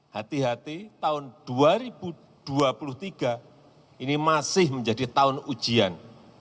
hati hati tahun dua ribu dua puluh tiga ini masih menjadi tahun ujian